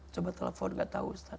coba telepon gak tahu ustadz